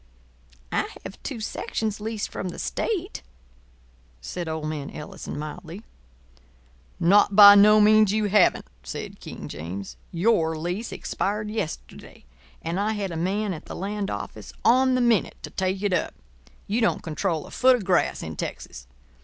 "I have two sections leased from the state," said old man Ellison, mildly. "Not by no means you haven't," said King James. "Your lease expired yesterday; and I had a man at the land office on the minute to take it up. You don't control a foot of grass in Texas.